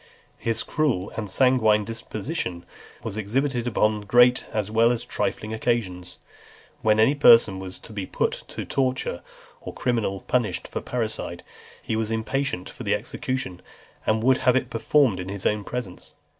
XXXIV. His cruel and sanguinary disposition was exhibited upon great as well as trifling occasions. When any person was to be put to the torture, or criminal punished for parricide, he was impatient for the execution, and would have it performed in his own presence.